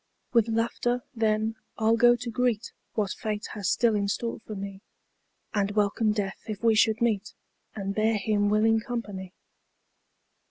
With laughter, then, I'll go to greet What Fate has still in store for me, And welcome Death if we should meet, And bear him willing company.